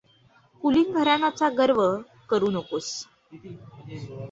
कुलीन घराण्याचा गर्व करू नकोस.